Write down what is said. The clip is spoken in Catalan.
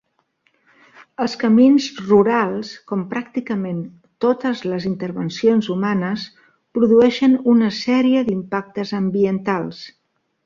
Els camins rurals, com pràcticament totes les intervencions humanes, produeixen una sèrie d'impactes ambientals.